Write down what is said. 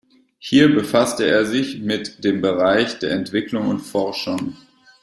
Hier befasste er sich mit dem Bereich der Entwicklung und Forschung.